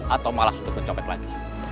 atau malas untuk mencopet lagi